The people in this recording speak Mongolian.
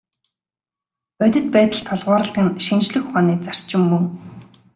Бодит байдалд тулгуурладаг нь шинжлэх ухааны зарчим мөн.